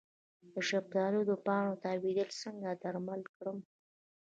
د شفتالو د پاڼو تاویدل څنګه درمل کړم؟